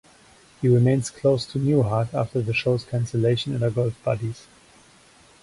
He remains close to Newhart, after the show's cancelation and are golf buddies.